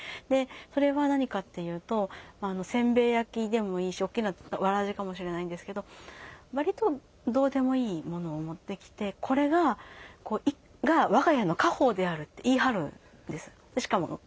でそれは何かっていうと煎餅焼きでもいいしおっきな草鞋かもしれないんですけど割とどうでもいいものを持ってきてこれが我が家の家宝であるって言い張るんです。